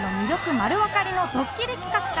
丸わかりのドッキリ企画から